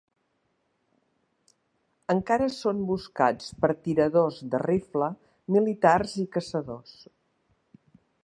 Encara són buscats per tiradors de rifle militars i caçadors.